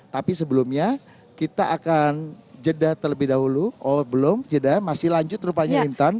tapi sebelumnya kita akan jeda terlebih dahulu oh belum jeda masih lanjut rupanya intan